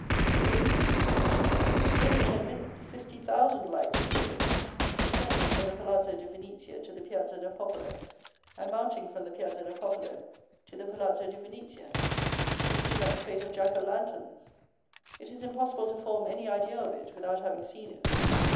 It was a signal. At the end of ten minutes fifty thousand lights glittered, descending from the Palazzo di Venezia to the Piazza del Popolo, and mounting from the Piazza del Popolo to the Palazzo di Venezia. It seemed like the fête of Jack o' lanterns. It is impossible to form any idea of it without having seen it.